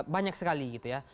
banyak sekali gitu ya